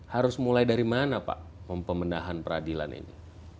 harus mulai dari mana pak pemenahan peradilan ini